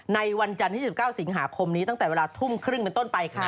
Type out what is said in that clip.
ในวันจันทร์ที่๑๙สิงหาคมนี้ตั้งแต่เวลาทุ่มครึ่งเป็นต้นไปค่ะ